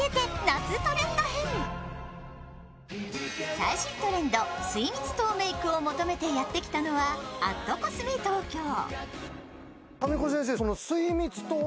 最新トレンドスイミツトウメイクを求めてやってきたのは＠ｃｏｓｍｅＴＯＫＹＯ。